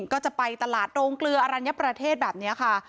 ก็จะไปตลาดโรงเกลืออรัญญประเทศแบบนี้ค่ะ